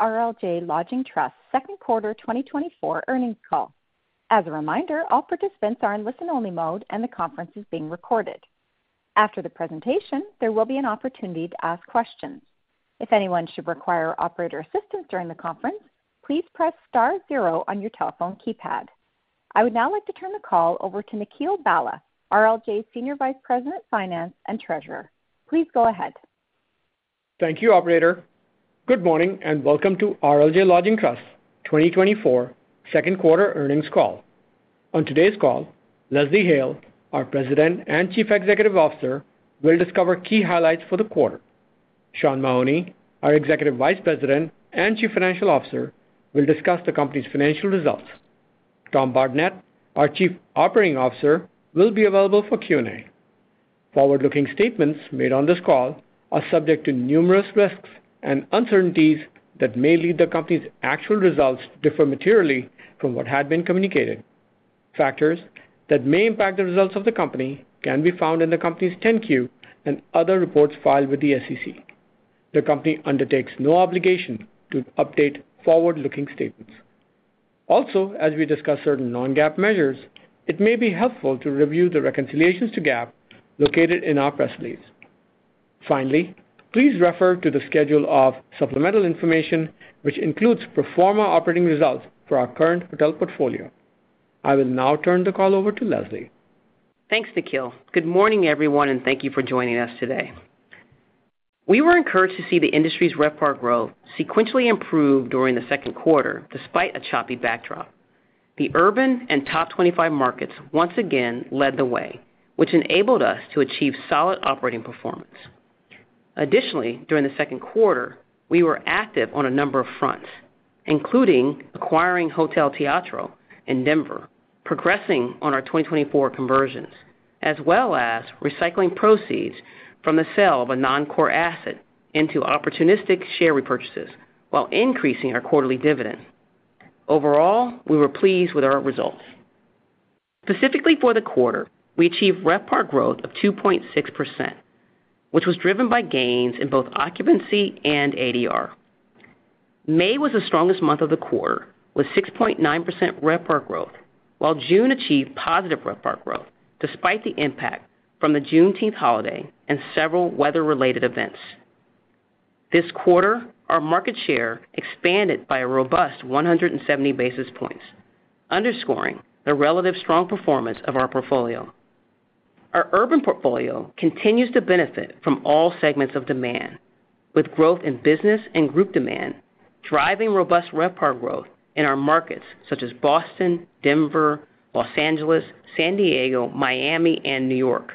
Welcome to the RLJ Lodging Trust Second Quarter 2024 Earnings Call. As a reminder, all participants are in listen-only mode, and the conference is being recorded. After the presentation, there will be an opportunity to ask questions. If anyone should require operator assistance during the conference, please press star zero on your telephone keypad. I would now like to turn the call over to Nikhil Bhalla, RLJ's Senior Vice President, Finance, and Treasurer. Please go ahead. Thank you, operator. Good morning, and welcome to RLJ Lodging Trust's 2024 Second Quarter Earnings Call. On today's call, Leslie Hale, our President and Chief Executive Officer, will discuss key highlights for the quarter. Sean Mahoney, our Executive Vice President and Chief Financial Officer, will discuss the company's financial results. Tom Bardenett, our Chief Operating Officer, will be available for Q&A. Forward-looking statements made on this call are subject to numerous risks and uncertainties that may lead the company's actual results to differ materially from what had been communicated. Factors that may impact the results of the company can be found in the company's 10-Q and other reports filed with the SEC. The company undertakes no obligation to update forward-looking statements. Also, as we discuss certain non-GAAP measures, it may be helpful to review the reconciliations to GAAP located in our press release. Finally, please refer to the schedule of supplemental information, which includes pro forma operating results for our current hotel portfolio. I will now turn the call over to Leslie. Thanks, Nikhil. Good morning, everyone, and thank you for joining us today. We were encouraged to see the industry's RevPAR growth sequentially improve during the second quarter, despite a choppy backdrop. The urban and top 25 markets once again led the way, which enabled us to achieve solid operating performance. Additionally, during the second quarter, we were active on a number of fronts, including acquiring Hotel Teatro in Denver, progressing on our 2024 conversions, as well as recycling proceeds from the sale of a non-core asset into opportunistic share repurchases while increasing our quarterly dividend. Overall, we were pleased with our results. Specifically for the quarter, we achieved RevPAR growth of 2.6%, which was driven by gains in both occupancy and ADR. May was the strongest month of the quarter, with 6.9% RevPAR growth, while June achieved positive RevPAR growth, despite the impact from the Juneteenth holiday and several weather-related events. This quarter, our market share expanded by a robust 170 basis points, underscoring the relative strong performance of our portfolio. Our urban portfolio continues to benefit from all segments of demand, with growth in business and group demand, driving robust RevPAR growth in our markets, such as Boston, Denver, Los Angeles, San Diego, Miami, and New York,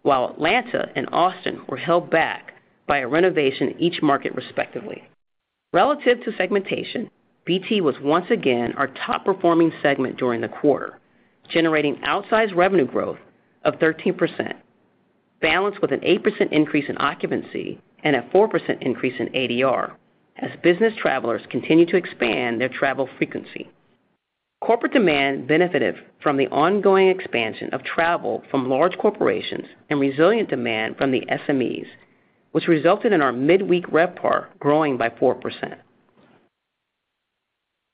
while Atlanta and Austin were held back by a renovation in each market, respectively. Relative to segmentation, BT was once again our top-performing segment during the quarter, generating outsized revenue growth of 13%, balanced with an 8% increase in occupancy and a 4% increase in ADR as business travelers continue to expand their travel frequency. Corporate demand benefited from the ongoing expansion of travel from large corporations and resilient demand from the SMEs, which resulted in our midweek RevPAR growing by 4%.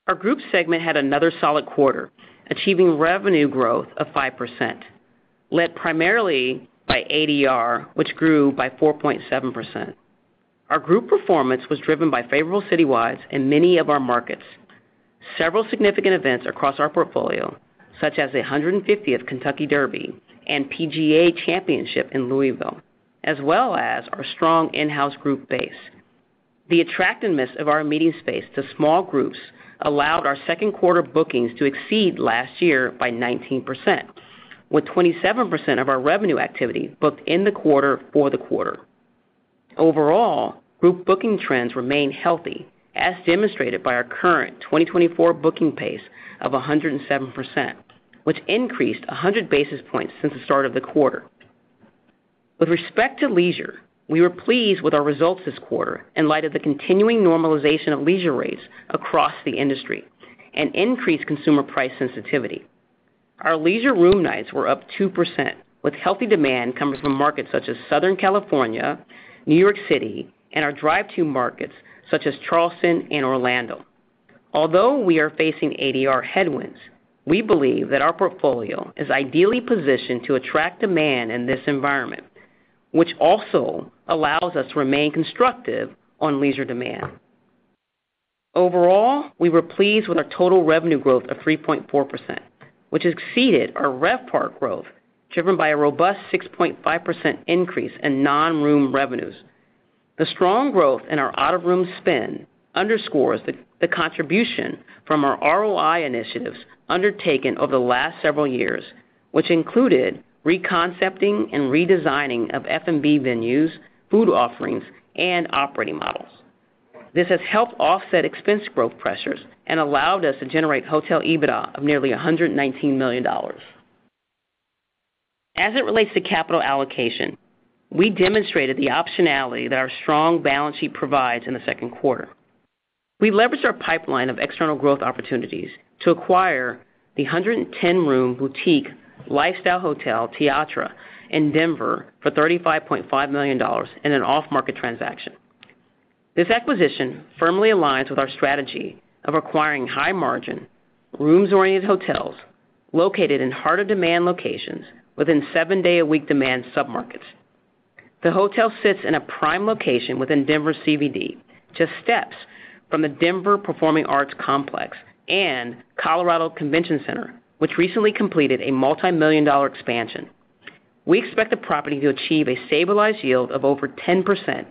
Our group segment had another solid quarter, achieving revenue growth of 5%, led primarily by ADR, which grew by 4.7%. Our group performance was driven by favorable citywides in many of our markets. Several significant events across our portfolio, such as the 150th Kentucky Derby and PGA Championship in Louisville, as well as our strong in-house group base. The attractiveness of our meeting space to small groups allowed our second quarter bookings to exceed last year by 19%, with 27% of our revenue activity booked in the quarter for the quarter. Overall, group booking trends remain healthy, as demonstrated by our current 2024 booking pace of 107%, which increased 100 basis points since the start of the quarter. With respect to leisure, we were pleased with our results this quarter in light of the continuing normalization of leisure rates across the industry and increased consumer price sensitivity. Our leisure room nights were up 2%, with healthy demand coming from markets such as Southern California, New York City, and our drive-to markets such as Charleston and Orlando. Although we are facing ADR headwinds, we believe that our portfolio is ideally positioned to attract demand in this environment, which also allows us to remain constructive on leisure demand. Overall, we were pleased with our total revenue growth of 3.4%, which exceeded our RevPAR growth, driven by a robust 6.5% increase in non-room revenues. The strong growth in our out-of-room spend underscores the contribution from our ROI initiatives undertaken over the last several years, which included reconcepting and redesigning of F&B venues, food offerings, and operating models. This has helped offset expense growth pressures and allowed us to generate hotel EBITDA of nearly $119 million. As it relates to capital allocation, we demonstrated the optionality that our strong balance sheet provides in the second quarter. We leveraged our pipeline of external growth opportunities to acquire the 110-room boutique lifestyle hotel, Teatro, in Denver for $35.5 million in an off-market transaction. This acquisition firmly aligns with our strategy of acquiring high-margin, rooms-oriented hotels located in heart-of-demand locations within seven-day-a-week demand submarkets. The hotel sits in a prime location within Denver CBD, just steps from the Denver Performing Arts Complex and Colorado Convention Center, which recently completed a multimillion-dollar expansion. We expect the property to achieve a stabilized yield of over 10%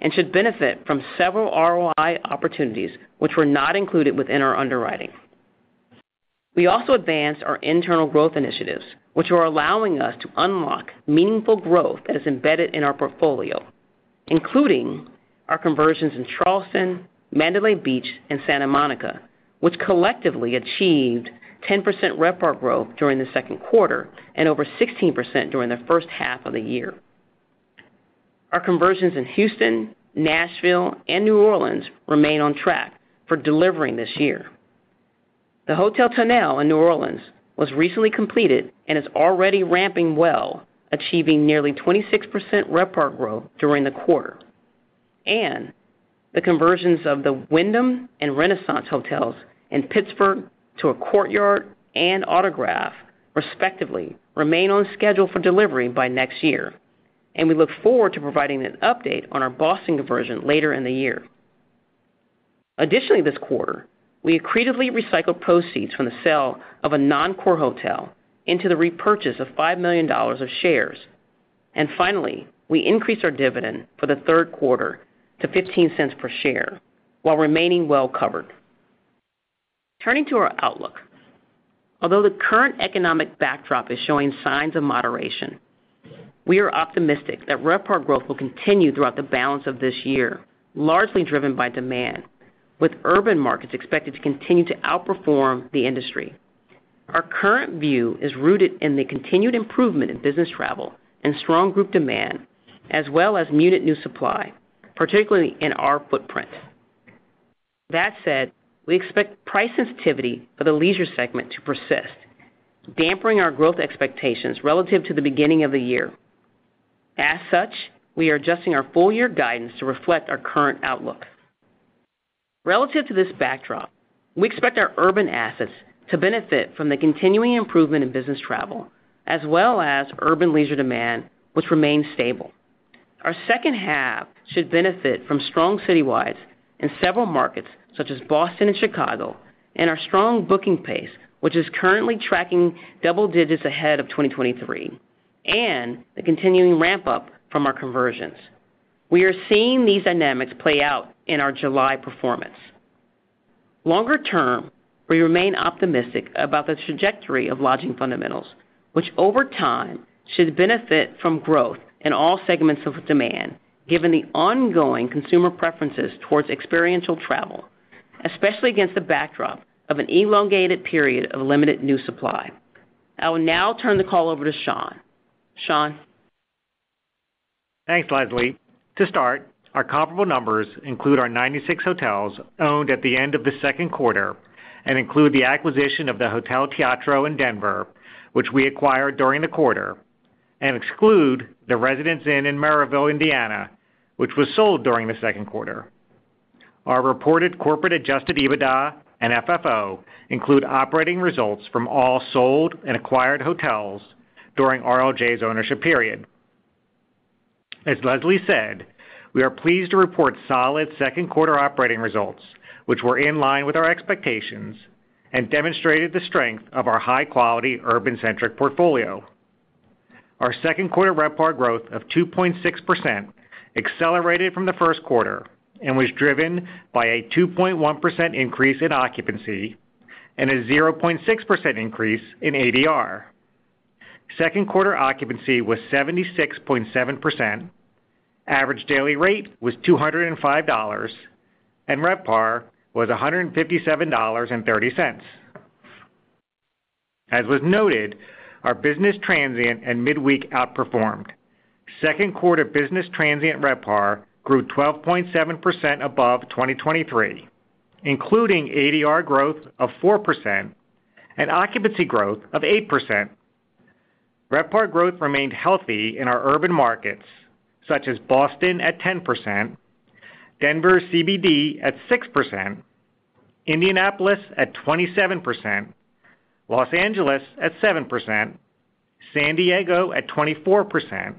and should benefit from several ROI opportunities, which were not included within our underwriting. We also advanced our internal growth initiatives, which are allowing us to unlock meaningful growth that is embedded in our portfolio, including our conversions in Charleston, Mandalay Beach, and Santa Monica, which collectively achieved 10% RevPAR growth during the second quarter and over 16% during the first half of the year. Our conversions in Houston, Nashville, and New Orleans remain on track for delivering this year. The Hotel Tonnelle in New Orleans was recently completed and is already ramping well, achieving nearly 26% RevPAR growth during the quarter. The conversions of the Wyndham and Renaissance Hotels in Pittsburgh to a Courtyard and Autograph, respectively, remain on schedule for delivery by next year, and we look forward to providing an update on our Boston conversion later in the year. Additionally, this quarter, we accretively recycled proceeds from the sale of a non-core hotel into the repurchase of $5 million of shares. Finally, we increased our dividend for the third quarter to $0.15 per share, while remaining well covered. Turning to our outlook. Although the current economic backdrop is showing signs of moderation, we are optimistic that RevPAR growth will continue throughout the balance of this year, largely driven by demand, with urban markets expected to continue to outperform the industry. Our current view is rooted in the continued improvement in business travel and strong group demand, as well as muted new supply, particularly in our footprint. That said, we expect price sensitivity for the leisure segment to persist, dampening our growth expectations relative to the beginning of the year. As such, we are adjusting our full-year guidance to reflect our current outlook. Relative to this backdrop, we expect our urban assets to benefit from the continuing improvement in business travel, as well as urban leisure demand, which remains stable. Our second half should benefit from strong citywides in several markets, such as Boston and Chicago, and our strong booking pace, which is currently tracking double digits ahead of 2023, and the continuing ramp-up from our conversions. We are seeing these dynamics play out in our July performance. Longer term, we remain optimistic about the trajectory of lodging fundamentals, which over time, should benefit from growth in all segments of demand, given the ongoing consumer preferences towards experiential travel, especially against the backdrop of an elongated period of limited new supply. I will now turn the call over to Sean. Sean? Thanks, Leslie. To start, our comparable numbers include our 96 hotels owned at the end of the second quarter and include the acquisition of the Hotel Teatro in Denver, which we acquired during the quarter, and exclude the Residence Inn in Merrillville, Indiana, which was sold during the second quarter. Our reported corporate adjusted EBITDA and FFO include operating results from all sold and acquired hotels during RLJ's ownership period. As Leslie said, we are pleased to report solid second quarter operating results, which were in line with our expectations and demonstrated the strength of our high-quality, urban-centric portfolio. Our second quarter RevPAR growth of 2.6% accelerated from the first quarter and was driven by a 2.1% increase in occupancy and a 0.6% increase in ADR. Second quarter occupancy was 76.7%, average daily rate was $205, and RevPAR was $157.30. As was noted, our business transient and midweek outperformed. Second quarter business transient RevPAR grew 12.7% above 2023, including ADR growth of 4% and occupancy growth of 8%. RevPAR growth remained healthy in our urban markets, such as Boston at 10%, Denver CBD at 6%, Indianapolis at 27%, Los Angeles at 7%, San Diego at 24%,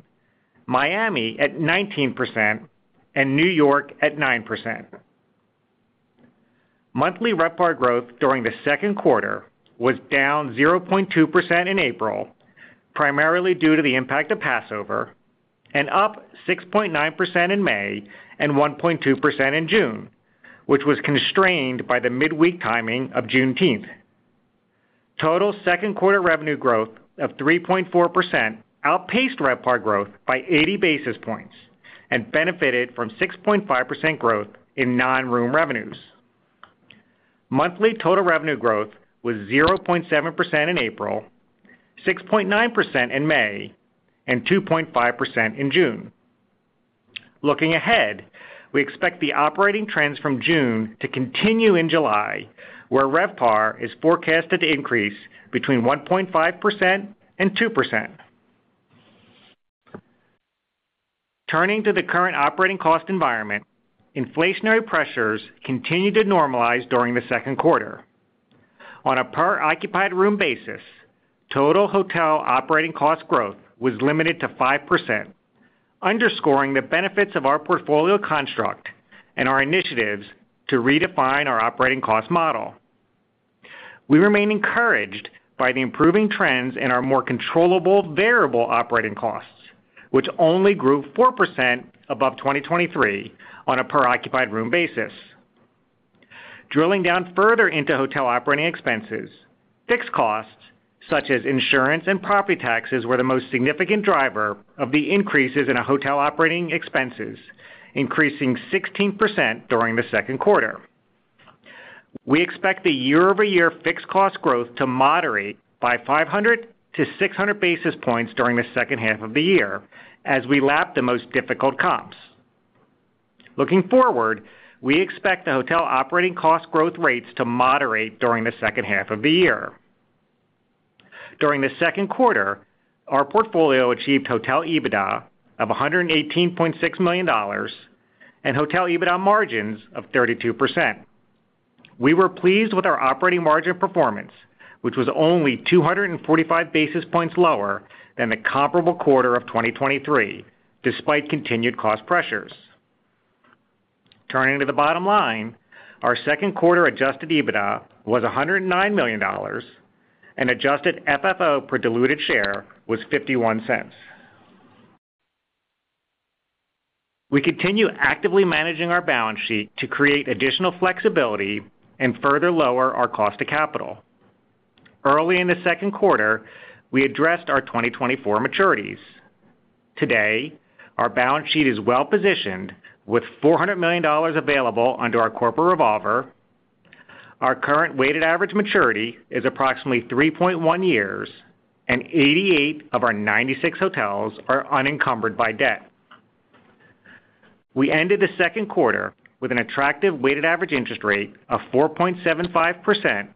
Miami at 19%, and New York at 9%. Monthly RevPAR growth during the second quarter was down 0.2% in April, primarily due to the impact of Passover, and up 6.9% in May and 1.2% in June, which was constrained by the midweek timing of Juneteenth. Total second quarter revenue growth of 3.4% outpaced RevPAR growth by 80 basis points and benefited from 6.5% growth in non-room revenues. Monthly total revenue growth was 0.7% in April, 6.9% in May, and 2.5% in June. Looking ahead, we expect the operating trends from June to continue in July, where RevPAR is forecasted to increase between 1.5% and 2%. Turning to the current operating cost environment, inflationary pressures continued to normalize during the second quarter. On a per occupied room basis, total hotel operating cost growth was limited to 5%, underscoring the benefits of our portfolio construct and our initiatives to redefine our operating cost model. We remain encouraged by the improving trends in our more controllable variable operating costs, which only grew 4% above 2023 on a per occupied room basis. Drilling down further into hotel operating expenses, fixed costs, such as insurance and property taxes, were the most significant driver of the increases in our hotel operating expenses, increasing 16% during the second quarter. We expect the year-over-year fixed cost growth to moderate by 500 to 600 basis points during the second half of the year as we lap the most difficult comps. Looking forward, we expect the hotel operating cost growth rates to moderate during the second half of the year. During the second quarter, our portfolio achieved hotel EBITDA of $118.6 million and hotel EBITDA margins of 32%. We were pleased with our operating margin performance, which was only 245 basis points lower than the comparable quarter of 2023, despite continued cost pressures. Turning to the bottom line, our second quarter Adjusted EBITDA was $109 million, and Adjusted FFO per diluted share was $0.51. We continue actively managing our balance sheet to create additional flexibility and further lower our cost of capital. Early in the second quarter, we addressed our 2024 maturities. Today, our balance sheet is well positioned, with $400 million available under our corporate revolver. Our current weighted average maturity is approximately 3.1 years, and 88 of our 96 hotels are unencumbered by debt. We ended the second quarter with an attractive weighted average interest rate of 4.75%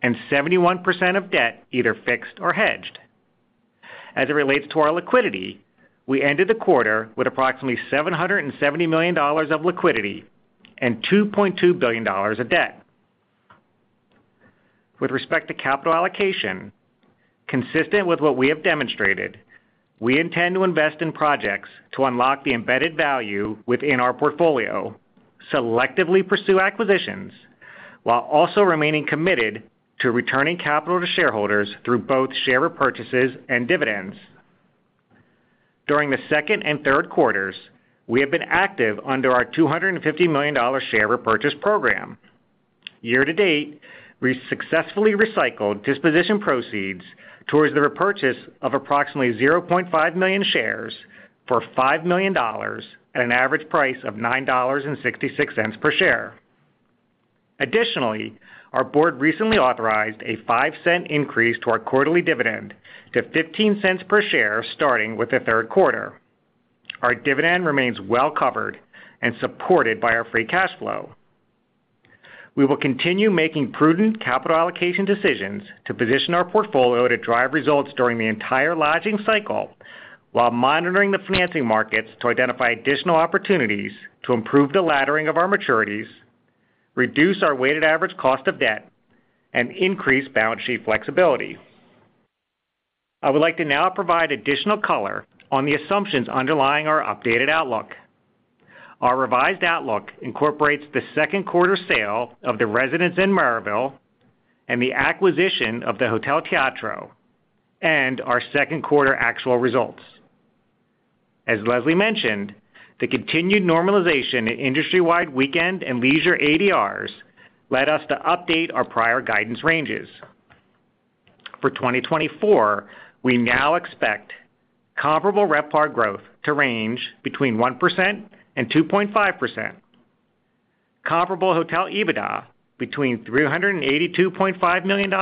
and 71% of debt, either fixed or hedged. As it relates to our liquidity, we ended the quarter with approximately $770 million of liquidity and $2.2 billion of debt. With respect to capital allocation, consistent with what we have demonstrated, we intend to invest in projects to unlock the embedded value within our portfolio, selectively pursue acquisitions, while also remaining committed to returning capital to shareholders through both share repurchases and dividends. During the second and third quarters, we have been active under our $250 million share repurchase program. Year to date, we successfully recycled disposition proceeds towards the repurchase of approximately 0.5 million shares for $5 million at an average price of $9.66 per share. Additionally, our Board recently authorized a $0.05 increase to our quarterly dividend to $0.15 per share, starting with the third quarter. Our dividend remains well covered and supported by our free cash flow. We will continue making prudent capital allocation decisions to position our portfolio to drive results during the entire lodging cycle, while monitoring the financing markets to identify additional opportunities to improve the laddering of our maturities, reduce our weighted average cost of debt, and increase balance sheet flexibility. I would like to now provide additional color on the assumptions underlying our updated outlook. Our revised outlook incorporates the second quarter sale of the Residence Inn in Merrillville and the acquisition of the Hotel Teatro and our second quarter actual results. As Leslie mentioned, the continued normalization in industry-wide weekend and leisure ADRs led us to update our prior guidance ranges. For 2024, we now expect comparable RevPAR growth to range between 1% and 2.5%. Comparable hotel EBITDA between $382.5 million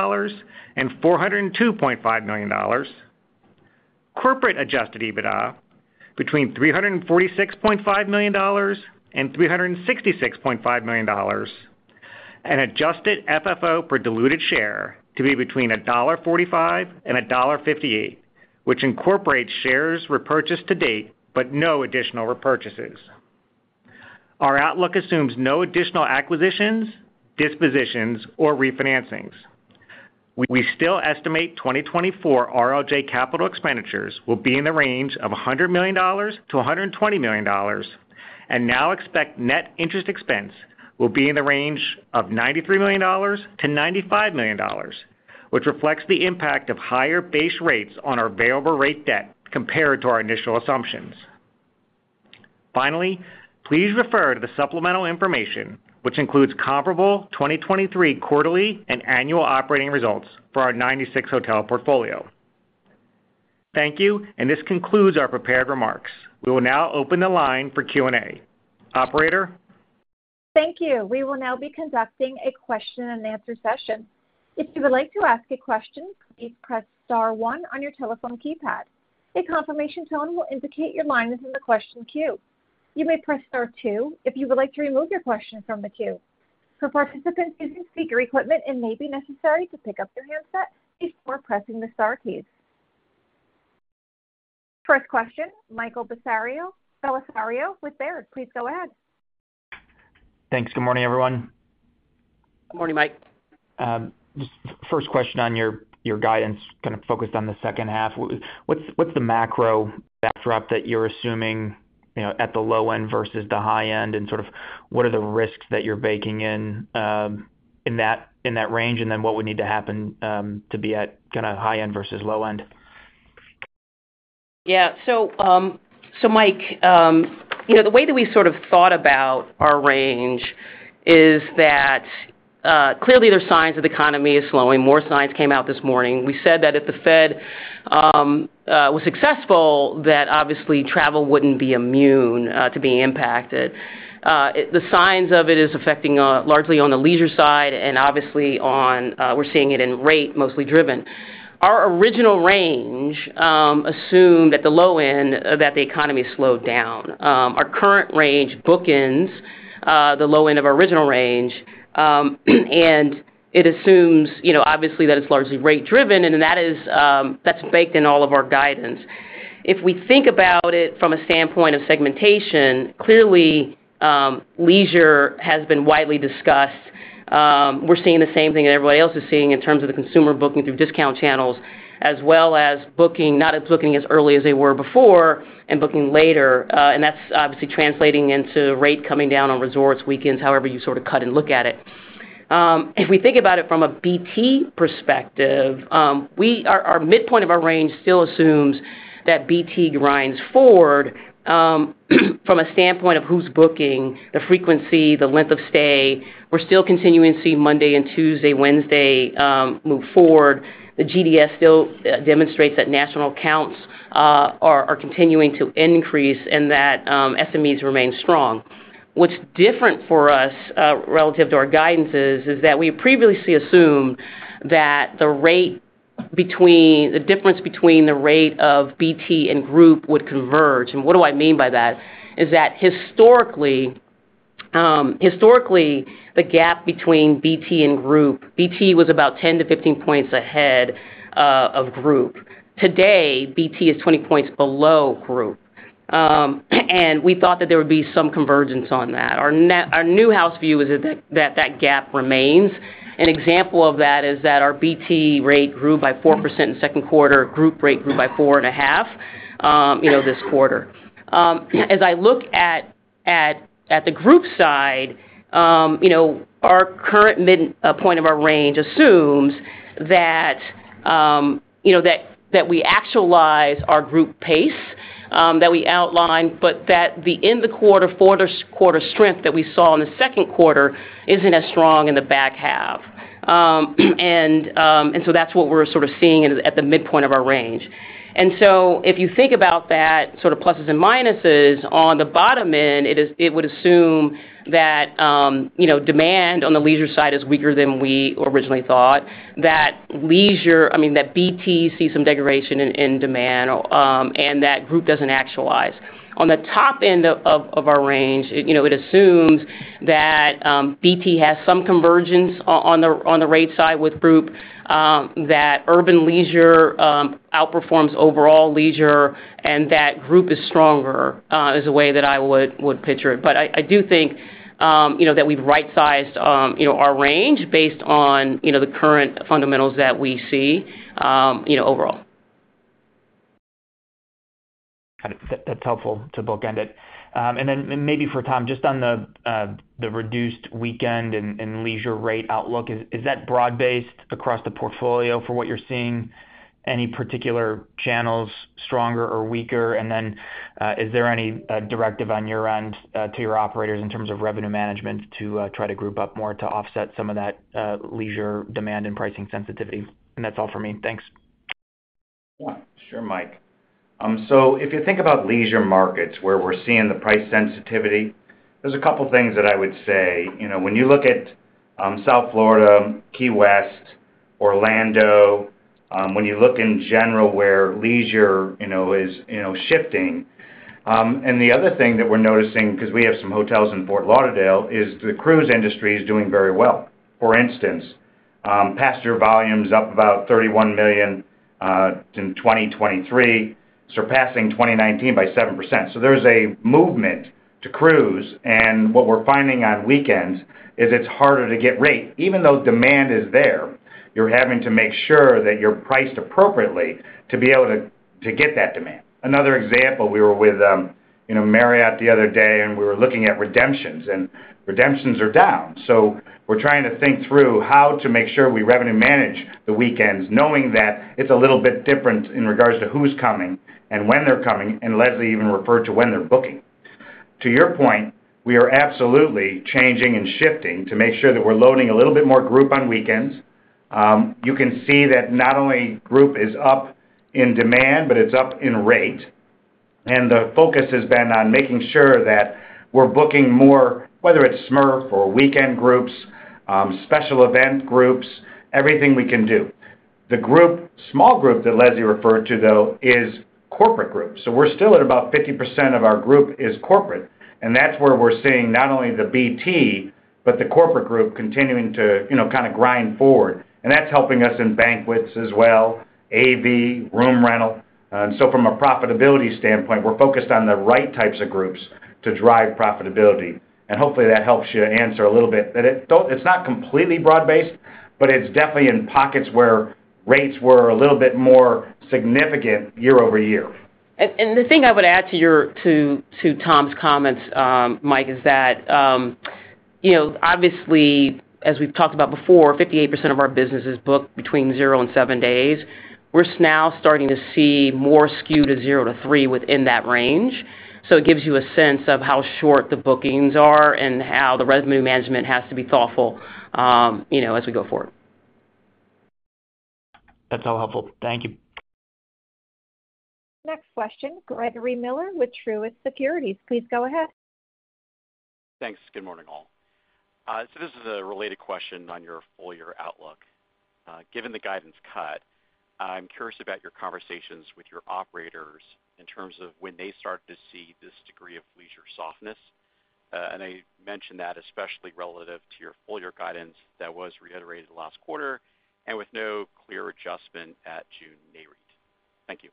and $402.5 million. Corporate Adjusted EBITDA between $346.5 million and $366.5 million, and Adjusted FFO per diluted share to be between $1.45 and $1.58, which incorporates shares repurchased to date, but no additional repurchases. Our outlook assumes no additional acquisitions, dispositions, or refinancings. We still estimate 2024 RLJ capital expenditures will be in the range of $100 million-$120 million, and now expect net interest expense will be in the range of $93 million-$95 million, which reflects the impact of higher base rates on our variable rate debt compared to our initial assumptions. Finally, please refer to the supplemental information, which includes comparable 2023 quarterly and annual operating results for our 96 hotel portfolio. Thank you, and this concludes our prepared remarks. We will now open the line for Q&A. Operator?... Thank you. We will now be conducting a question and answer session. If you would like to ask a question, please press star one on your telephone keypad. A confirmation tone will indicate your line is in the question queue. You may press star two if you would like to remove your question from the queue. For participants using speaker equipment, it may be necessary to pick up your handset before pressing the star keys. First question, Michael Bellisario with Baird. Please go ahead. Thanks. Good morning, everyone. Good morning, Mike. Just first question on your guidance, kind of focused on the second half. What's the macro backdrop that you're assuming, you know, at the low end versus the high end? And sort of what are the risks that you're baking in, in that range, and then what would need to happen to be at kinda high end versus low end? Yeah. So, Mike, you know, the way that we sort of thought about our range is that clearly, there's signs that the economy is slowing. More signs came out this morning. We said that if the Fed was successful, that obviously travel wouldn't be immune to being impacted. The signs of it is affecting largely on the leisure side and obviously on. We're seeing it in rate, mostly driven. Our original range assumed at the low end, that the economy slowed down. Our current range bookends the low end of our original range, and it assumes, you know, obviously, that it's largely rate driven, and then that is, that's baked in all of our guidance. If we think about it from a standpoint of segmentation, clearly, leisure has been widely discussed. We're seeing the same thing that everybody else is seeing in terms of the consumer booking through discount channels, as well as not booking as early as they were before and booking later, and that's obviously translating into rate coming down on resorts, weekends, however you sort of cut and look at it. If we think about it from a BT perspective, our midpoint of our range still assumes that BT grinds forward, from a standpoint of who's booking, the frequency, the length of stay. We're still continuing to see Monday and Tuesday, Wednesday, move forward. The GDS still demonstrates that national accounts are continuing to increase and that SMEs remain strong. What's different for us, relative to our guidances, is that we previously assumed that the rate between... The difference between the rate of BT and group would converge. And what do I mean by that? Is that historically, historically, the gap between BT and group, BT was about 10-15 points ahead, of group. Today, BT is 20 points below group. And we thought that there would be some convergence on that. Our new house view is that, that, that gap remains. An example of that is that our BT rate grew by 4% in second quarter, group rate grew by 4.5%, you know, this quarter. As I look at the group side, you know, our current midpoint of our range assumes that, you know, that we actualize our group pace that we outline, but that the end of the quarter fourth quarter strength that we saw in the second quarter isn't as strong in the back half. And so that's what we're sort of seeing at the midpoint of our range. And so if you think about that, sort of pluses and minuses, on the bottom end, it would assume that, you know, demand on the leisure side is weaker than we originally thought, that leisure—I mean, that BT sees some degradation in demand, and that group doesn't actualize. On the top end of our range, you know, it assumes that BT has some convergence on the rate side with group, that urban leisure outperforms overall leisure, and that group is stronger, is the way that I would picture it. But I do think, you know, that we've right-sized, you know, our range based on, you know, the current fundamentals that we see, you know, overall. Got it. That's helpful to bookend it. And then, and maybe for Tom, just on the reduced weekend and leisure rate outlook, is that broad-based across the portfolio for what you're seeing? Any particular channels stronger or weaker? And then, is there any directive on your end to your operators in terms of revenue management to try to group up more to offset some of that leisure demand and pricing sensitivity? And that's all for me. Thanks. Yeah. Sure, Mike. So if you think about leisure markets, where we're seeing the price sensitivity, there's a couple things that I would say. You know, when you look at South Florida, Key West, Orlando, when you look in general, where leisure, you know, is, you know, shifting. And the other thing that we're noticing, because we have some hotels in Fort Lauderdale, is the cruise industry is doing very well. For instance, passenger volume is up about 31 million in 2023, surpassing 2019 by 7%. So there's a movement to cruise, and what we're finding on weekends is it's harder to get rate. Even though demand is there, you're having to make sure that you're priced appropriately to be able to get that demand. Another example, we were with, you know, Marriott the other day, and we were looking at redemptions, and redemptions are down. So we're trying to think through how to make sure we revenue manage the weekends, knowing that it's a little bit different in regards to who's coming and when they're coming, and Leslie even referred to when they're booking. To your point, we are absolutely changing and shifting to make sure that we're loading a little bit more group on weekends. You can see that not only group is up in demand, but it's up in rate.... and the focus has been on making sure that we're booking more, whether it's SMERF or weekend groups, special event groups, everything we can do. The group, small group that Leslie referred to, though, is corporate groups. So we're still at about 50% of our group is corporate, and that's where we're seeing not only the BT, but the corporate group continuing to, you know, kind of grind forward. And that's helping us in banquets as well, AV, room rental. And so from a profitability standpoint, we're focused on the right types of groups to drive profitability. And hopefully, that helps you to answer a little bit. But it's not completely broad-based, but it's definitely in pockets where rates were a little bit more significant year-over-year. The thing I would add to your, to Tom's comments, Mike, is that, you know, obviously, as we've talked about before, 58% of our business is booked between zero and seven days. We're now starting to see more skewed to zero to three within that range. So it gives you a sense of how short the bookings are and how the revenue management has to be thoughtful, you know, as we go forward. That's all helpful. Thank you. Next question, Gregory Miller with Truist Securities. Please go ahead. Thanks. Good morning, all. So this is a related question on your full year outlook. Given the guidance cut, I'm curious about your conversations with your operators in terms of when they start to see this degree of leisure softness. And I mentioned that especially relative to your full year guidance that was reiterated last quarter and with no clear adjustment at June NAREIT. Thank you.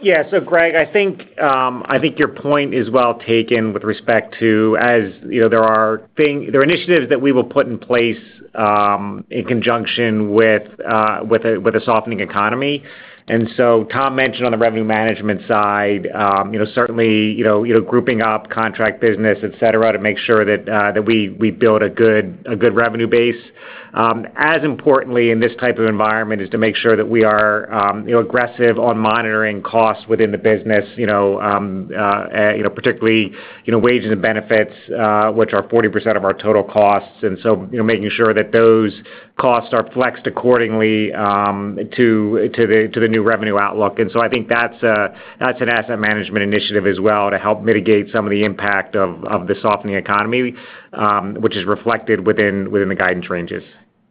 Yeah. So Greg, I think your point is well taken with respect to as, you know, there are initiatives that we will put in place in conjunction with a softening economy. And so Tom mentioned on the revenue management side, you know, certainly grouping up contract business, et cetera, to make sure that we build a good revenue base. As importantly, in this type of environment, is to make sure that we are, you know, aggressive on monitoring costs within the business, you know, particularly wages and benefits, which are 40% of our total costs. And so, you know, making sure that those costs are flexed accordingly to the new revenue outlook. So I think that's an asset management initiative as well, to help mitigate some of the impact of the softening economy, which is reflected within the guidance ranges.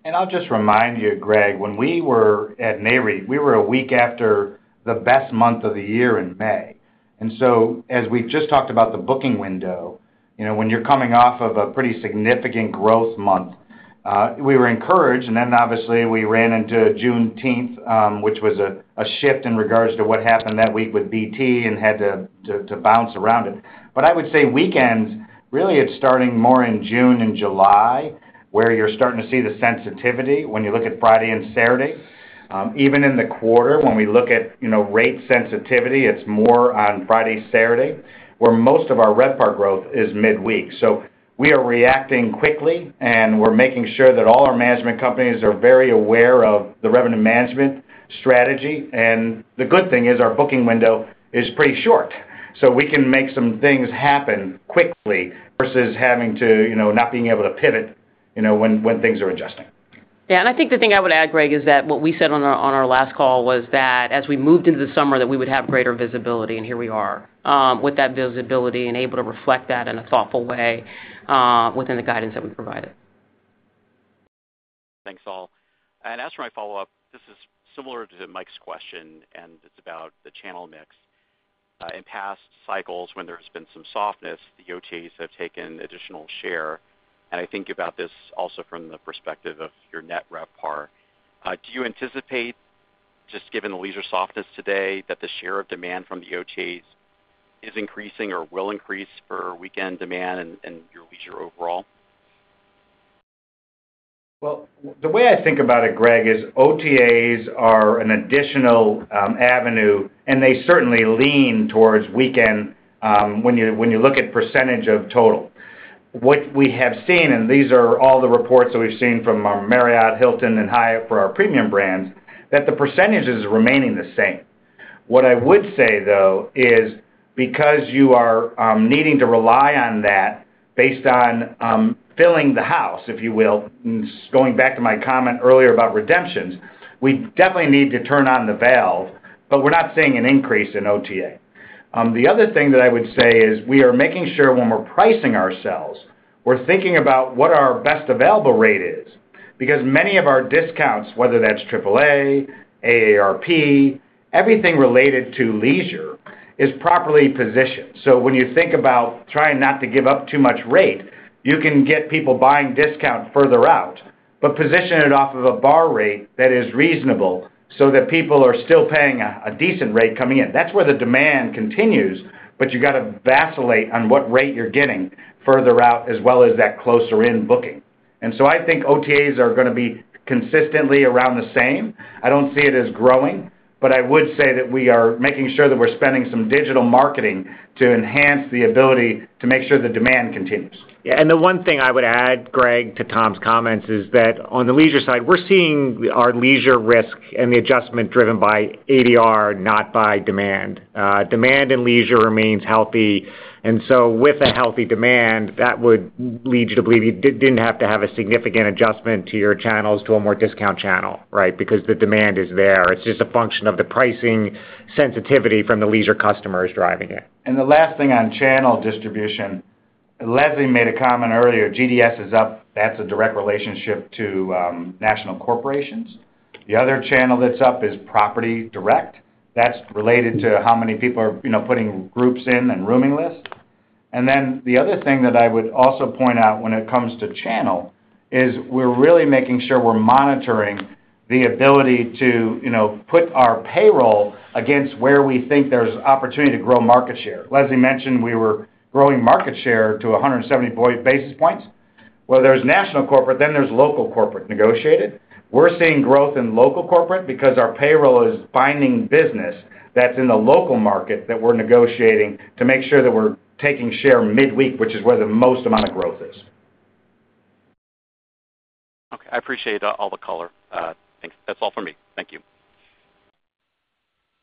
I'll just remind you, Greg, when we were at NAREIT, we were a week after the best month of the year in May. So as we've just talked about the booking window, you know, when you're coming off of a pretty significant growth month, we were encouraged, and then obviously, we ran into Juneteenth, which was a shift in regards to what happened that week with BT and had to bounce around it. But I would say weekends, really, it's starting more in June and July, where you're starting to see the sensitivity when you look at Friday and Saturday. Even in the quarter, when we look at, you know, rate sensitivity, it's more on Friday, Saturday, where most of our RevPAR growth is midweek. So we are reacting quickly, and we're making sure that all our management companies are very aware of the revenue management strategy. And the good thing is our booking window is pretty short, so we can make some things happen quickly versus having to, you know, not being able to pivot, you know, when things are adjusting. Yeah, and I think the thing I would add, Greg, is that what we said on our last call was that as we moved into the summer, that we would have greater visibility, and here we are, with that visibility and able to reflect that in a thoughtful way, within the guidance that we provided. Thanks, all. And as for my follow-up, this is similar to Mike's question, and it's about the channel mix. In past cycles, when there's been some softness, the OTAs have taken additional share, and I think about this also from the perspective of your net RevPAR. Do you anticipate, just given the leisure softness today, that the share of demand from the OTAs is increasing or will increase for weekend demand and, and your leisure overall? Well, the way I think about it, Greg, is OTAs are an additional avenue, and they certainly lean towards weekend when you look at percentage of total. What we have seen, and these are all the reports that we've seen from Marriott, Hilton, and Hyatt for our premium brands, that the percentage is remaining the same. What I would say, though, is because you are needing to rely on that based on filling the house, if you will, and going back to my comment earlier about redemptions, we definitely need to turn on the valve, but we're not seeing an increase in OTA. The other thing that I would say is, we are making sure when we're pricing ourselves, we're thinking about what our best available rate is. Because many of our discounts, whether that's AAA, AARP, everything related to leisure is properly positioned. So when you think about trying not to give up too much rate, you can get people buying discount further out, but position it off of a BAR rate that is reasonable so that people are still paying a decent rate coming in. That's where the demand continues, but you got to vacillate on what rate you're getting further out, as well as that closer in booking. And so I think OTAs are gonna be consistently around the same. I don't see it as growing, but I would say that we are making sure that we're spending some digital marketing to enhance the ability to make sure the demand continues. Yeah, and the one thing I would add, Greg, to Tom's comments, is that on the leisure side, we're seeing our leisure mix and the adjustment driven by ADR, not by demand. Demand in leisure remains healthy, and so with a healthy demand, that would lead you to believe you didn't have to have a significant adjustment to your channels to a more discount channel, right? Because the demand is there. It's just a function of the pricing sensitivity from the leisure customers driving it. The last thing on channel distribution... Leslie made a comment earlier, GDS is up. That's a direct relationship to national corporations. The other channel that's up is property direct. That's related to how many people are, you know, putting groups in and rooming lists. And then the other thing that I would also point out when it comes to channel is we're really making sure we're monitoring the ability to, you know, put our payroll against where we think there's opportunity to grow market share. Leslie mentioned we were growing market share to 170 basis points, where there's national corporate, then there's local corporate negotiated. We're seeing growth in local corporate because our payroll is finding business that's in the local market that we're negotiating to make sure that we're taking share midweek, which is where the most amount of growth is. Okay, I appreciate all the color. Thanks. That's all for me. Thank you.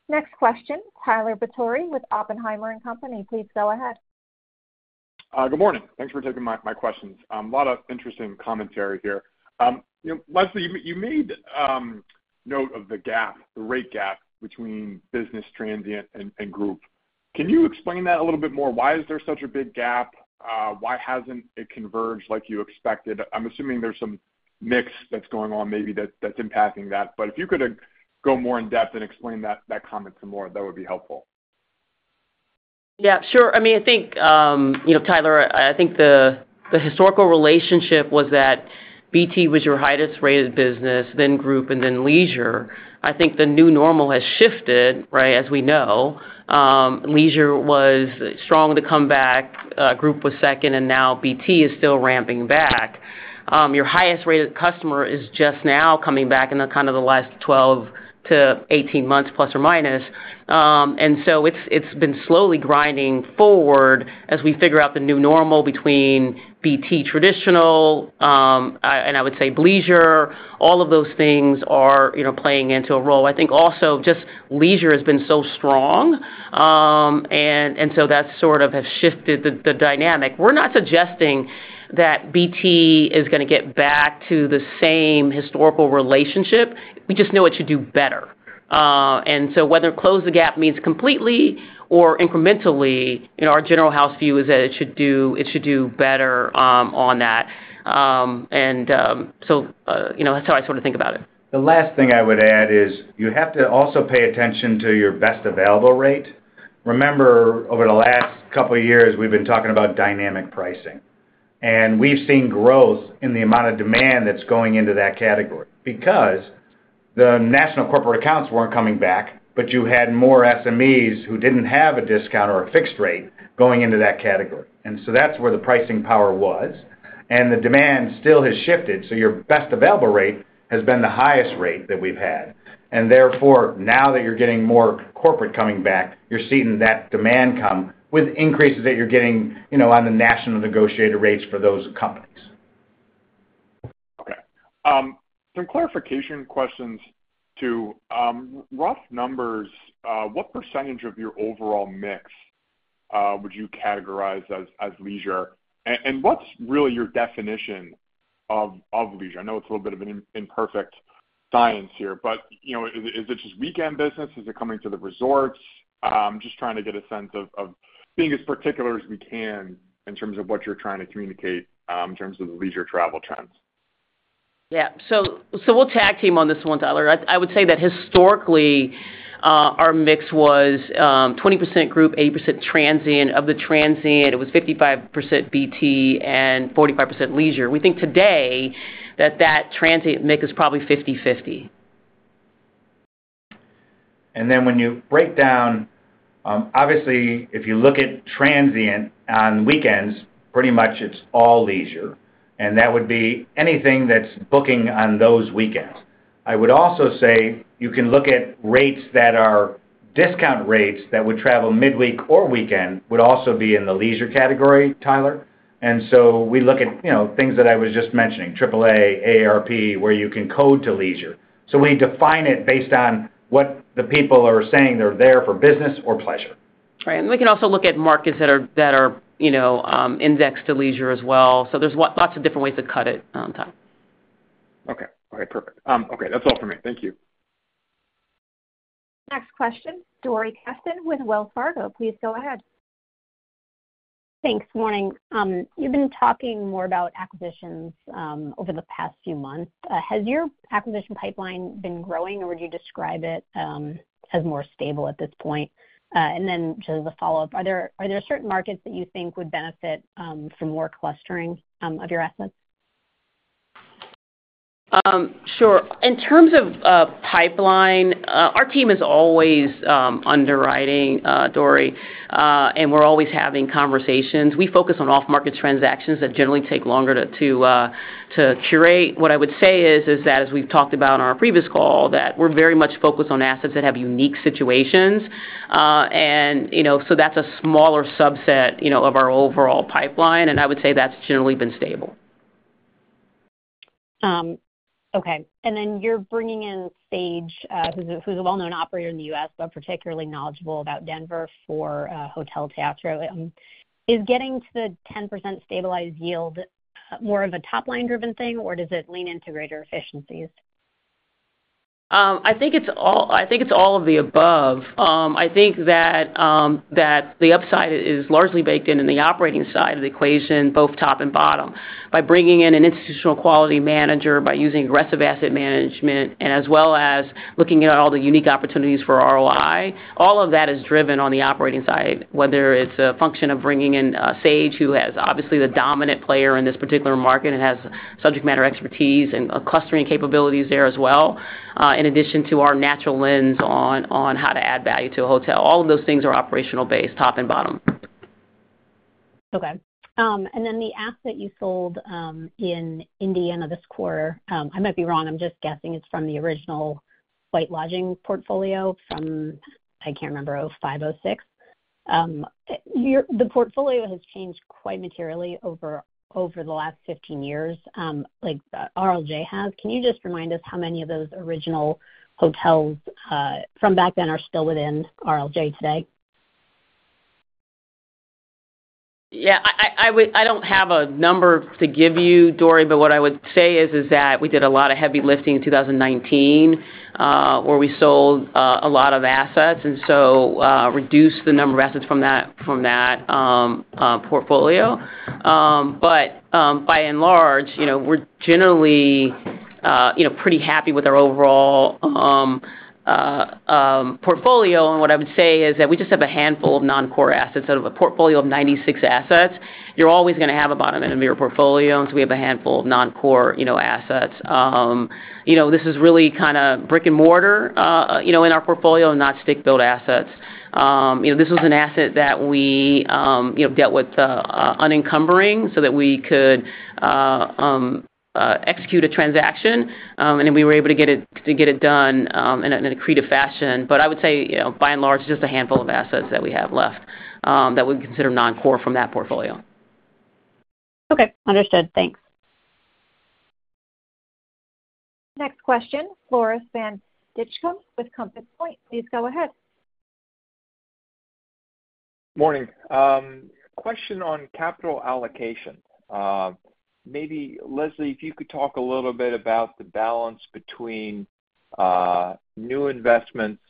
Next question, Tyler Batory with Oppenheimer & Co., please go ahead. Good morning. Thanks for taking my questions. A lot of interesting commentary here. You know, Leslie, you made note of the gap, the rate gap between business transient and group. Can you explain that a little bit more? Why is there such a big gap? Why hasn't it converged like you expected? I'm assuming there's some mix that's going on, maybe that's impacting that. But if you could go more in depth and explain that comment some more, that would be helpful. Yeah, sure. I mean, I think, you know, Tyler, I think the historical relationship was that BT was your highest rated business, then group, and then leisure. I think the new normal has shifted, right, as we know. Leisure was strong to come back, group was second, and now BT is still ramping back. Your highest rated customer is just now coming back in the kind of last 12-18 months, plus or minus. And so it's been slowly grinding forward as we figure out the new normal between BT traditional, and I would say leisure, all of those things are, you know, playing into a role. I think also just leisure has been so strong, and so that sort of has shifted the dynamic. We're not suggesting that BT is gonna get back to the same historical relationship. We just know it should do better. And so whether close the gap means completely or incrementally, you know, our general house view is that it should do, it should do better, on that. You know, that's how I sort of think about it. The last thing I would add is, you have to also pay attention to your best available rate. Remember, over the last couple of years, we've been talking about dynamic pricing, and we've seen growth in the amount of demand that's going into that category. Because the national corporate accounts weren't coming back, but you had more SMEs who didn't have a discount or a fixed rate going into that category. And so that's where the pricing power was, and the demand still has shifted, so your best available rate has been the highest rate that we've had. And therefore, now that you're getting more corporate coming back, you're seeing that demand come with increases that you're getting, you know, on the national negotiated rates for those companies. Okay, some clarification questions to rough numbers. What percentage of your overall mix would you categorize as leisure? And what's really your definition of leisure? I know it's a little bit of an imperfect science here, but you know, is it just weekend business? Is it coming to the resorts? Just trying to get a sense of being as particular as we can in terms of what you're trying to communicate in terms of the leisure travel trends. Yeah. So we'll tag team on this one, Tyler. I would say that historically our mix was 20% group, 80% transient. Of the transient, it was 55% BT and 45% leisure. We think today that transient mix is probably 50/50. And then when you break down, obviously, if you look at transient on weekends, pretty much it's all leisure, and that would be anything that's booking on those weekends. I would also say you can look at rates that are discount rates that would travel midweek or weekend, would also be in the leisure category, Tyler. And so we look at, you know, things that I was just mentioning, AAA, AARP, where you can code to leisure. So we define it based on what the people are saying they're there for business or pleasure. Right, and we can also look at markets that are, you know, indexed to leisure as well. So there's lots of different ways to cut it, Tyler. Okay. All right, perfect. Okay, that's all for me. Thank you. Next question, Dori Kesten with Wells Fargo. Please go ahead. Thanks. Morning. You've been talking more about acquisitions over the past few months. Has your acquisition pipeline been growing, or would you describe it as more stable at this point? And then just as a follow-up, are there certain markets that you think would benefit from more clustering of your assets? Sure. In terms of pipeline, our team is always underwriting, Dori, and we're always having conversations. We focus on off-market transactions that generally take longer to curate. What I would say is that, as we've talked about on our previous call, that we're very much focused on assets that have unique situations. And, you know, so that's a smaller subset, you know, of our overall pipeline, and I would say that's generally been stable. Okay. And then you're bringing in Sage, who's a well-known operator in the U.S., but particularly knowledgeable about Denver for Hotel Teatro. Is getting to the 10% stabilized yield more of a top-line-driven thing, or does it lean into greater efficiencies?... I think it's all, I think it's all of the above. I think that the upside is largely baked in, in the operating side of the equation, both top and bottom. By bringing in an institutional quality manager, by using aggressive asset management, and as well as looking at all the unique opportunities for ROI, all of that is driven on the operating side, whether it's a function of bringing in Sage, who has obviously the dominant player in this particular market and has subject matter expertise and clustering capabilities there as well, in addition to our natural lens on how to add value to a hotel. All of those things are operational based, top and bottom. Okay. And then the asset you sold in Indiana this quarter, I might be wrong, I'm just guessing it's from the original White Lodging portfolio from, I can't remember, 2005, 2006. Your the portfolio has changed quite materially over the last 15 years, like, RLJ has. Can you just remind us how many of those original hotels from back then are still within RLJ today? Yeah, I would. I don't have a number to give you, Dori, but what I would say is that we did a lot of heavy lifting in 2019, where we sold a lot of assets, and so reduced the number of assets from that portfolio. But by and large, you know, we're generally, you know, pretty happy with our overall portfolio. And what I would say is that we just have a handful of non-core assets. Out of a portfolio of 96 assets, you're always going to have a bottom in a mirror portfolio, and so we have a handful of non-core, you know, assets. You know, this is really kind of brick-and-mortar, you know, in our portfolio, and not stick-built assets. You know, this was an asset that we, you know, dealt with unencumbering so that we could execute a transaction, and then we were able to get it, to get it done, in an accretive fashion. But I would say, you know, by and large, just a handful of assets that we have left, that we consider non-core from that portfolio. Okay, understood. Thanks. Next question, Floris van Dijkum with Compass Point. Please go ahead. Morning. Question on capital allocation. Maybe, Leslie, if you could talk a little bit about the balance between new investments,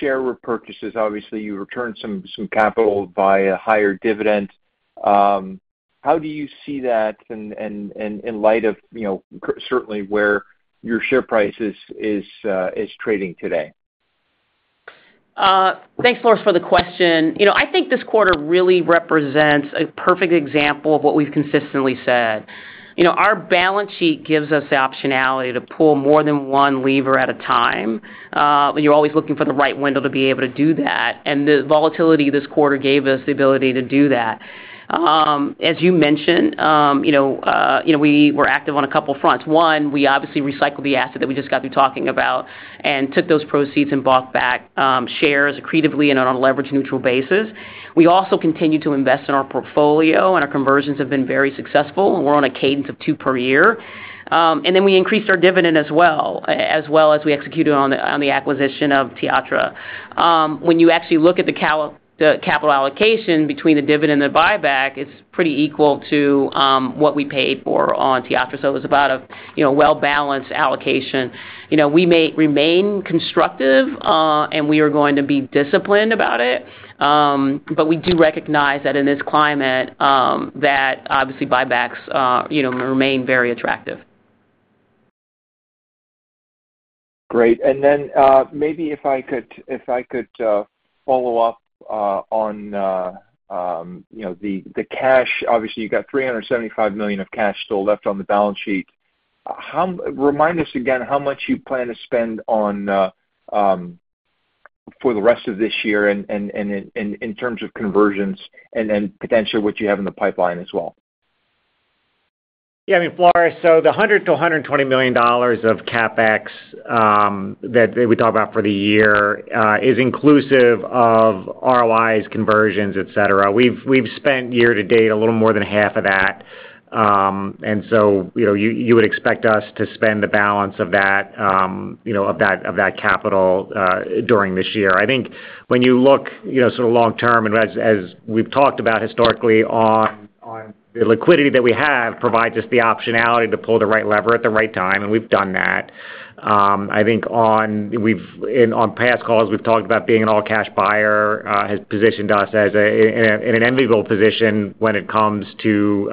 share repurchases. Obviously, you returned some capital via higher dividend. How do you see that in light of, you know, certainly where your share price is trading today? Thanks, Floris, for the question. You know, I think this quarter really represents a perfect example of what we've consistently said. You know, our balance sheet gives us the optionality to pull more than one lever at a time. But you're always looking for the right window to be able to do that, and the volatility this quarter gave us the ability to do that. As you mentioned, you know, we were active on a couple of fronts. One, we obviously recycled the asset that we just got through talking about and took those proceeds and bought back shares accretively and on a leverage-neutral basis. We also continued to invest in our portfolio, and our conversions have been very successful. We're on a cadence of two per year. And then we increased our dividend as well, as well as we executed on the acquisition of Teatro. When you actually look at the capital allocation between the dividend and the buyback, it's pretty equal to what we paid for on Teatro. So it was about a, you know, well-balanced allocation. You know, we may remain constructive, and we are going to be disciplined about it. But we do recognize that in this climate, that obviously buybacks, you know, remain very attractive. Great. And then, maybe if I could, if I could, follow up, on, you know, the, the cash. Obviously, you got $375 million of cash still left on the balance sheet. How... Remind us again, how much you plan to spend on, for the rest of this year and, and, and in, and in terms of conversions and, and potentially what you have in the pipeline as well? Yeah, I mean, Floris, so the $100 million-$120 million of CapEx that we talk about for the year is inclusive of ROIs, conversions, et cetera. We've spent year to date a little more than half of that. And so, you know, you would expect us to spend the balance of that, you know, of that capital during this year. I think when you look, you know, sort of long term, and as we've talked about historically on the liquidity that we have, provides us the optionality to pull the right lever at the right time, and we've done that. I think on past calls, we've talked about being an all cash buyer has positioned us as an enviable position when it comes to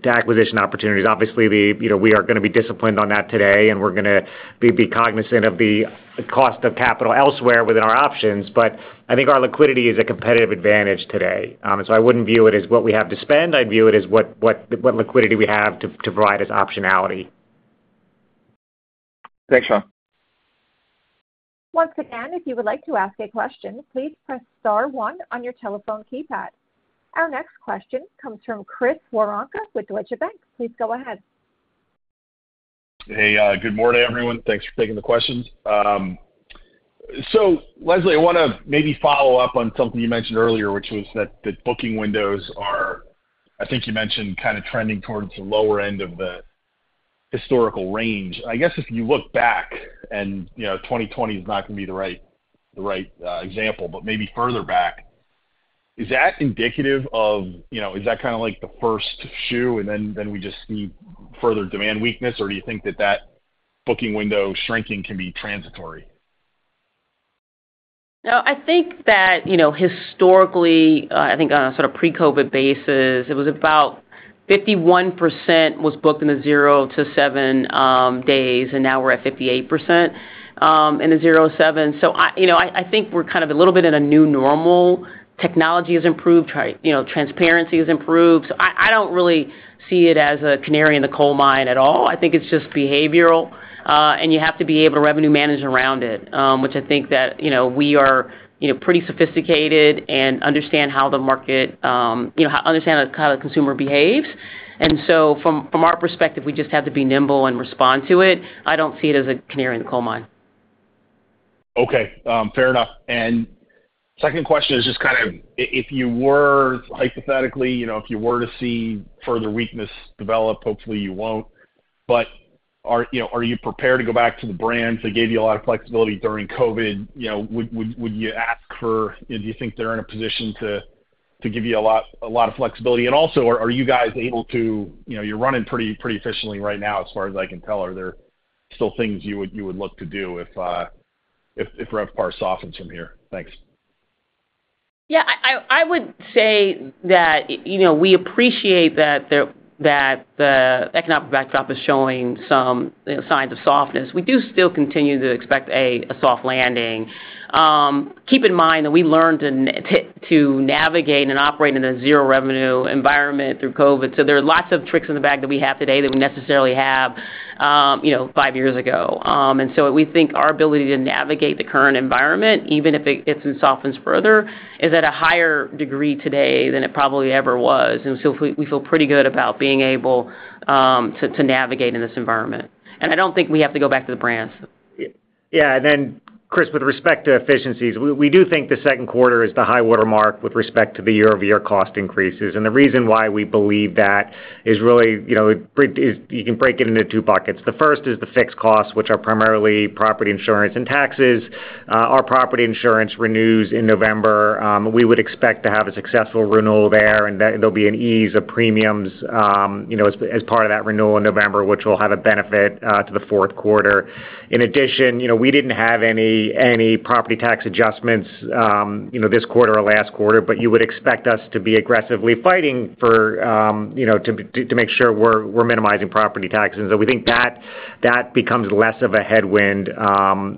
to acquisition opportunities. Obviously, we, you know, we are going to be disciplined on that today, and we're going to be cognizant of the cost of capital elsewhere within our options. But I think our liquidity is a competitive advantage today. So I wouldn't view it as what we have to spend. I'd view it as what liquidity we have to provide as optionality. Thanks, Sean. Once again, if you would like to ask a question, please press star one on your telephone keypad. Our next question comes from Chris Woronka with Deutsche Bank. Please go ahead. Hey, good morning, everyone. Thanks for taking the questions. So Leslie, I want to maybe follow up on something you mentioned earlier, which was that the booking windows are, I think you mentioned, kind of trending towards the lower end of the historical range. I guess if you look back and, you know, 2020 is not going to be the right, the right, example, but maybe further back. Is that indicative of, you know, is that kind of like the first shoe, and then, then we just see further demand weakness? Or do you think that that booking window shrinking can be transitory? No, I think that, you know, historically, I think on a sort of pre-COVID basis, it was about 51% was booked in a zero to seven days, and now we're at 58% in a zero to seven. So I, you know, I think we're kind of a little bit in a new normal. Technology has improved, you know, transparency has improved. So I don't really see it as a canary in the coal mine at all. I think it's just behavioral, and you have to be able to revenue manage around it, which I think that, you know, we are, you know, pretty sophisticated and understand how the market, you know, understand how the consumer behaves. And so from, from our perspective, we just have to be nimble and respond to it. I don't see it as a canary in the coal mine. Okay, fair enough. Second question is just kind of if you were, hypothetically, you know, if you were to see further weakness develop, hopefully you won't. But, you know, are you prepared to go back to the brands that gave you a lot of flexibility during COVID? You know, would you ask for... Do you think they're in a position to give you a lot of flexibility? And also, are you guys able to, you know, you're running pretty efficiently right now, as far as I can tell. Are there still things you would look to do if RevPAR softens from here? Thanks. Yeah, I would say that, you know, we appreciate that the economic backdrop is showing some signs of softness. We do still continue to expect a soft landing. Keep in mind that we learned to navigate and operate in a zero-revenue environment through COVID. So there are lots of tricks in the bag that we have today that we necessarily have, you know, five years ago. And so we think our ability to navigate the current environment, even if it gets and softens further, is at a higher degree today than it probably ever was. And so we feel pretty good about being able to navigate in this environment. And I don't think we have to go back to the brands. Yeah, and then, Chris, with respect to efficiencies, we do think the second quarter is the high water mark with respect to the year-over-year cost increases. The reason why we believe that is really, you know, you can break it into two buckets. The first is the fixed costs, which are primarily property insurance and taxes. Our property insurance renews in November. We would expect to have a successful renewal there, and that there'll be an ease of premiums, you know, as part of that renewal in November, which will have a benefit to the fourth quarter. In addition, you know, we didn't have any property tax adjustments, you know, this quarter or last quarter, but you would expect us to be aggressively fighting for, you know, to make sure we're minimizing property taxes. So we think that, that becomes less of a headwind,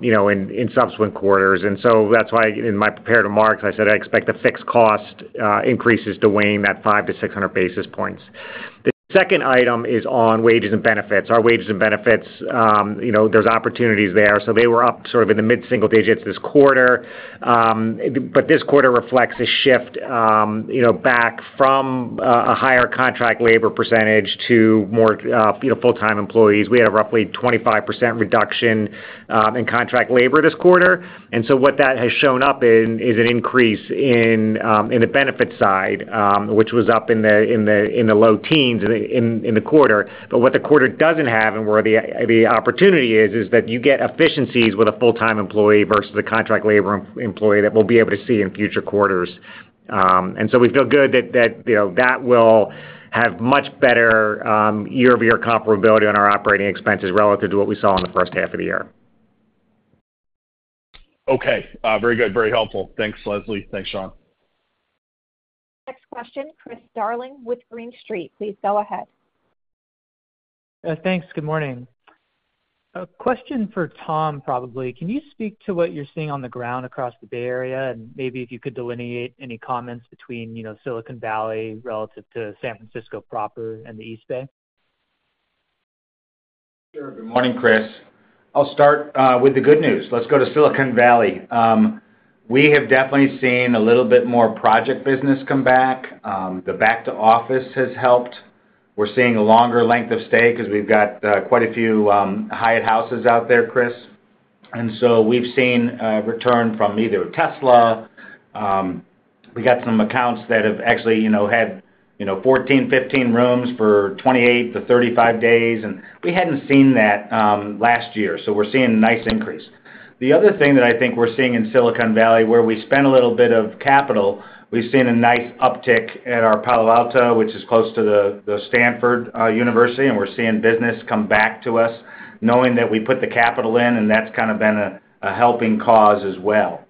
you know, in, in subsequent quarters. And so that's why in my prepared remarks, I said I expect the fixed cost increases to wane that 500-600 basis points. The second item is on wages and benefits. Our wages and benefits, you know, there's opportunities there, so they were up sort of in the mid-single digits this quarter. But this quarter reflects a shift, you know, back from a higher contract labor percentage to more, you know, full-time employees. We had a roughly 25% reduction in contract labor this quarter. And so what that has shown up in is an increase in the benefit side, which was up in the low teens in the quarter. But what the quarter doesn't have, and where the opportunity is, is that you get efficiencies with a full-time employee versus a contract labor employee that we'll be able to see in future quarters. And so we feel good that you know that will have much better year-over-year comparability on our operating expenses relative to what we saw in the first half of the year. Okay. Very good. Very helpful. Thanks, Leslie. Thanks, Sean. Next question, Chris Darling with Green Street. Please go ahead. Thanks. Good morning. A question for Tom, probably. Can you speak to what you're seeing on the ground across the Bay Area? And maybe if you could delineate any comments between, you know, Silicon Valley relative to San Francisco proper and the East Bay. Sure. Good morning, Chris. I'll start with the good news. Let's go to Silicon Valley. We have definitely seen a little bit more project business come back. The back to office has helped. We're seeing a longer length of stay because we've got quite a few Hyatt Houses out there, Chris. And so we've seen a return from either Tesla, we got some accounts that have actually, you know, had, you know, 14, 15 rooms for 28-35 days, and we hadn't seen that last year, so we're seeing a nice increase. The other thing that I think we're seeing in Silicon Valley, where we spent a little bit of capital, we've seen a nice uptick at our Palo Alto, which is close to the Stanford University, and we're seeing business come back to us, knowing that we put the capital in, and that's kind of been a helping cause as well.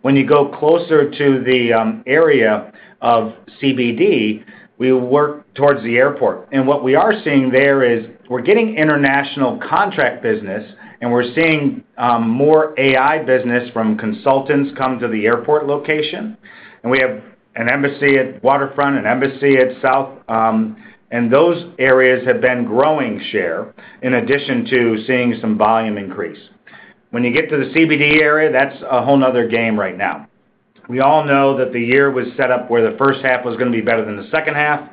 When you go closer to the area of CBD, we work towards the airport. And what we are seeing there is, we're getting international contract business, and we're seeing more AI business from consultants come to the airport location. And we have an Embassy at Waterfront, an Embassy at South, and those areas have been growing share, in addition to seeing some volume increase. When you get to the CBD area, that's a whole another game right now. We all know that the year was set up where the first half was gonna be better than the second half.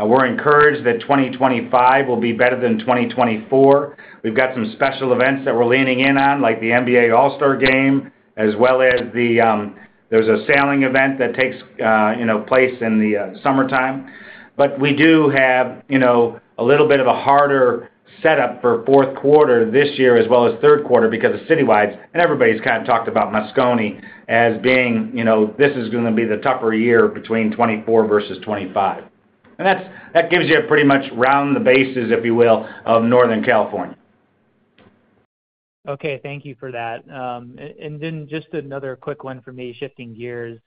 We're encouraged that 2025 will be better than 2024. We've got some special events that we're leaning in on, like the NBA All-Star game, as well as the, there's a sailing event that takes you know place in the summertime. But we do have a little bit of a harder setup for fourth quarter this year, as well as third quarter, because of citywides, and everybody's kind of talked about Moscone as being you know this is gonna be the tougher year between 2024 versus 2025. And that's - that gives you a pretty much round the bases, if you will, of Northern California. Okay, thank you for that. And then just another quick one for me, shifting gears,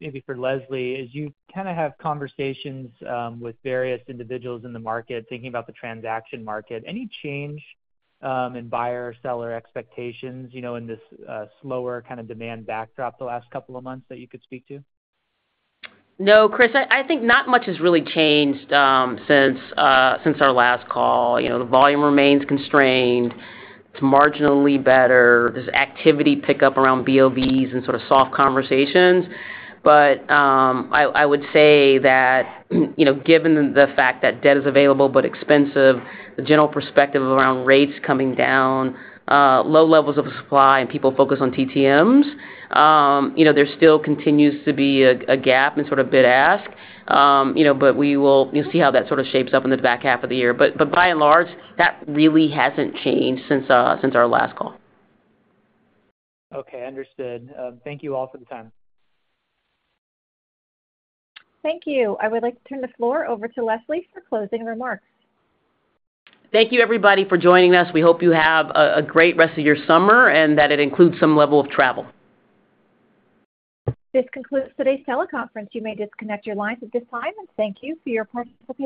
maybe for Leslie. As you kind of have conversations with various individuals in the market, thinking about the transaction market, any change in buyer/seller expectations, you know, in this slower kind of demand backdrop the last couple of months that you could speak to? No, Chris, I think not much has really changed since our last call. You know, the volume remains constrained. It's marginally better. There's activity pick up around BOVs and sort of soft conversations. But, I would say that, you know, given the fact that debt is available but expensive, the general perspective around rates coming down, low levels of supply and people focus on TTMs, you know, there still continues to be a gap in sort of bid ask. You know, but we will—you'll see how that sort of shapes up in the back half of the year. But by and large, that really hasn't changed since our last call. Okay, understood. Thank you all for the time. Thank you. I would like to turn the floor over to Leslie for closing remarks. Thank you, everybody, for joining us. We hope you have a great rest of your summer, and that it includes some level of travel. This concludes today's teleconference. You may disconnect your lines at this time, and thank you for your participation.